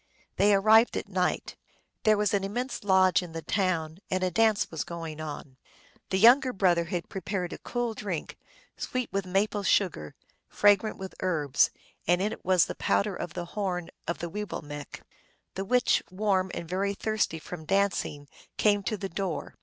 They arrived at night. There was an immense lodge in the town, and a dance was going on. The younger brother had prepared a cool drink, sweet with maple sugar, fragrant with herbs, and in it was the powder of the horn of the Weewillmekq . The witch, warm and very thirsty from dancing, came to the door.